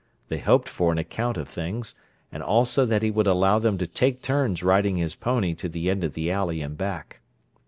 They hoped for an account of things, and also that he would allow them to "take turns" riding his pony to the end of the alley and back.